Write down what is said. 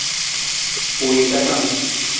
U wii kakang.